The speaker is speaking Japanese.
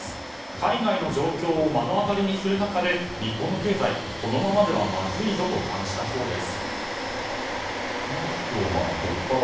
海外の状況を目の当たりにする中で日本の経済、このままではまずいぞと感じたそうです。